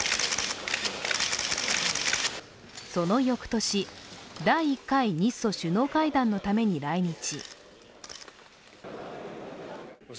そのよくとし、第１回日ソ首脳会談のために来日